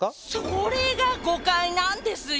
それが誤解なんですよ。